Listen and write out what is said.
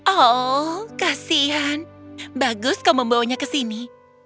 oh kasihan bagus kau membawanya ke sini